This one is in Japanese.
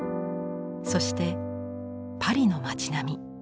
そしてパリの町並み。